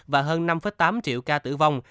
và hơn năm tám triệu ca tử vong